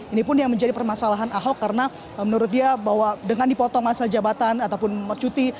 ini pun yang menjadi permasalahan ahok karena menurut dia bahwa dengan dipotong masa jabatan ataupun cuti